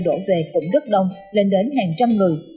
đổ về phủng đất đông lên đến hàng trăm người